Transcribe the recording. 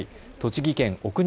栃木県奥